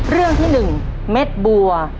เรื่องที่๑เม็ดบัว